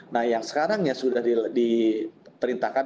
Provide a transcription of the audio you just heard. nah yang sekarang yang sudah diperintahkan